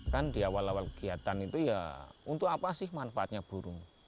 kan di awal awal kegiatan itu ya untuk apa sih manfaatnya burung